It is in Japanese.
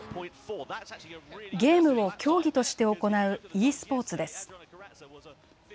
ゲームを競技として行うｅスポーツです。